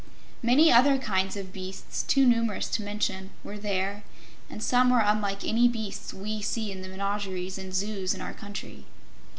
Many other kinds of beasts, too numerous to mention, were there, and some were unlike any beasts we see in the menageries and zoos in our country.